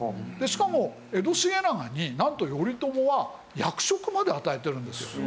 しかも江戸重長になんと頼朝は役職まで与えているんですよ。